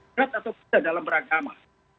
berat atau tidak dalam beragama